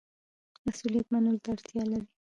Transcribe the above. مسوولیت منلو ته اړتیا لري